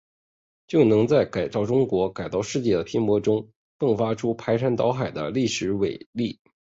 就能在改造中国、改造世界的拼搏中，迸发出排山倒海的历史伟力。